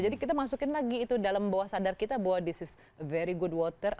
kita masukin lagi itu dalam bawah sadar kita bahwa this is very good water